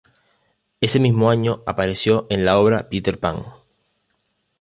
Ese mismo año apareció en la obra "Peter Pan".